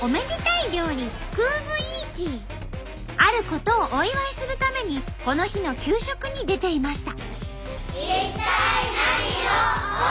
あることをお祝いするためにこの日の給食に出ていました。